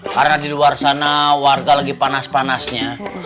karena di luar sana warga lagi panas panasnya